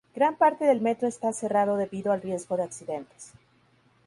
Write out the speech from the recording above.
Gran parte del metro está cerrado debido al riesgo de accidentes.